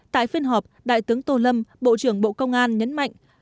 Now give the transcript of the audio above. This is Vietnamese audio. tại phiên họp đại tướng tô lâm bộ trưởng bộ công an nhấn mạnh